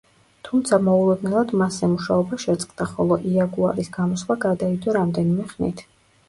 თუმცა მოულოდნელად მასზე მუშაობა შეწყდა, ხოლო „იაგუარის“ გამოსვლა გადაიდო რამდენიმე ხნით.